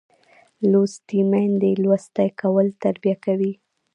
لوستې میندې لوستی کول تربیه کوي